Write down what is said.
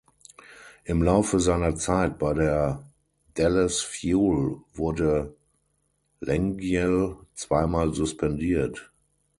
Im Laufe seiner Zeit bei der Dallas Fuel wurde Lengyel zweimal suspendiert.